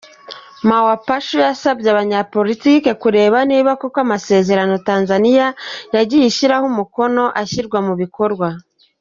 Mawapachu yasabye abanyapolitiki kureba niba koko amasezerano Tanzania yagiye ishyiraho umukono ashyirwa mu bikorwa.